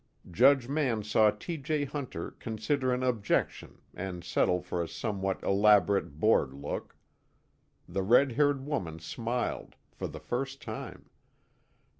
Judge Mann saw T. J. Hunter consider an objection and settle for a somewhat elaborate bored look. The red haired woman smiled, for the first time.